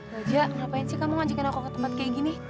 baja ngapain sih kamu ngajakin aku ke tempat kayak gini